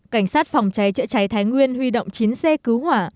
cảnh sát phòng cháy chữa cháy thái nguyên huy động chín xe cứu hỏa